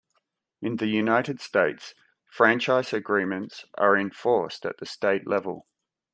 In the United States franchise agreements are enforced at the State level.